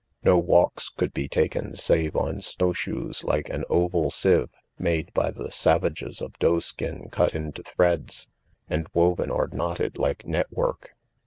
& No walks could be taken save on snow shoes like an oval sieve, made by the savages of doe skin cut into threads, and woven or knotted like net work.